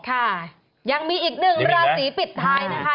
ค่ะยังมีอีกหนึ่งราศีปิดท้ายนะคะ